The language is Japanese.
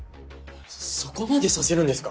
そこまでさせるんですか？